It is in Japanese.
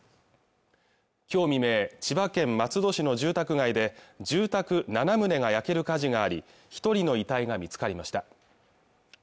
今日未明千葉県松戸市の住宅街で住宅七棟が焼ける火事があり一人の遺体が見つかりました